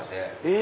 え！